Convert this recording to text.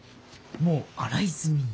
もう洗い済みぃ